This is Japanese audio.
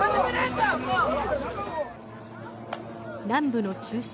南部の中心